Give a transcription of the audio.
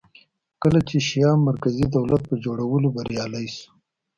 کله چې شیام مرکزي دولت په جوړولو بریالی شو